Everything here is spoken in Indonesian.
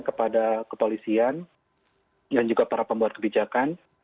kepada kepolisian dan juga para pembuat kebijakan